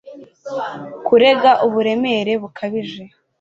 kurega uburemere bukabije